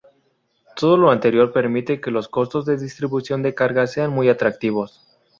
Todo lo anterior permite que los costos de distribución de carga sean muy atractivos.